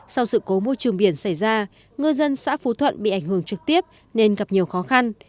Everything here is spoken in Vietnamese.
sau sự cố môi trường biển xảy ra ngư dân xã phú thuận bị ảnh hưởng trực tiếp nên gặp nhiều khó khăn